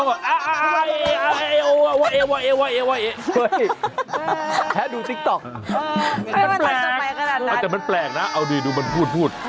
ไม่ว่ามันจะไปขนาดนั้นพูดนะเอาดีดูมันพูด